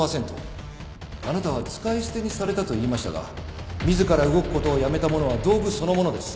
あなたは使い捨てにされたと言いましたが自ら動くことをやめた者は道具そのものです。